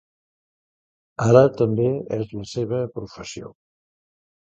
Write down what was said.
Ara també és la seva professió.